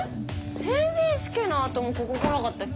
成人式の後もここ来なかったっけ？